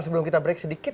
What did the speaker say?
sebelum kita break sedikit